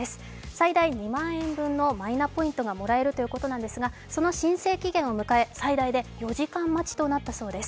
最大２万円分のマイナポイントがもらえるということなんですがその申請期限を迎え、最大で４時間待ちとなったということです